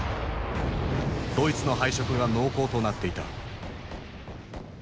ドイツの敗色が濃厚となっていた。